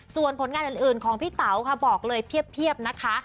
ส่วนผลงานอื่นของพี่เต๋าค่ะบอกเลยเพียบนะคะ